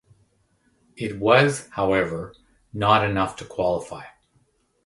It was, however, not enough to qualify.